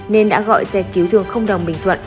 nên đã gọi xe cứu thương đồng bình thuận